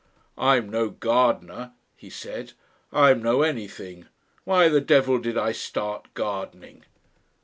"I'm no gardener," he said, "I'm no anything. Why the devil did I start gardening?